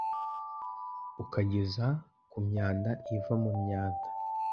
ukageza ku myanda iva mu myanda